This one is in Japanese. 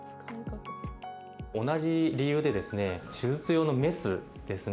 同じ理由でですね手術用のメスですね。